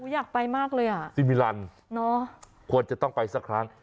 อยากไปมากเลยอ่ะซิมิลันควรจะต้องไปสักครั้ง